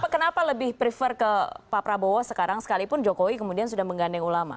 kenapa lebih prefer ke pak prabowo sekarang sekalipun jokowi kemudian sudah menggandeng ulama